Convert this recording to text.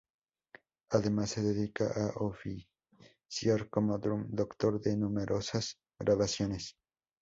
Además se dedica a oficiar como Drum Doctor de numerosas grabaciones.